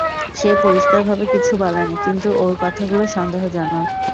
সে পরিষ্কারভাবে কিছু বলেনি, কিন্তু ওর কথাগুলো সন্দেহজনক।